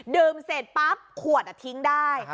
ดื่มเสร็จปั๊บขวดอะทิ้งได้